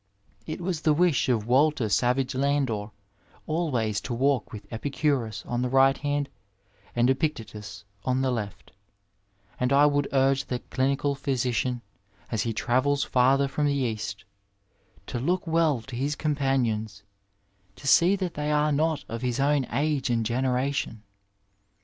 It was the wish of Walter Savage Landor always to walk with Epicurus on the right hand and Epictetus on the left, and I would urge the clinical physician, as he travels farther from the East, to look well to his companions — ^to see that they are not of his own age and generation.